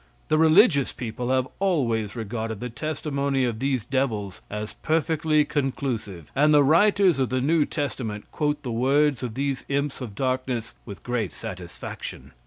The religious people have always regarded the testimony of these devils as perfectly conclusive, and the writers of the New Testament quote the words of these imps of darkness with great satisfaction.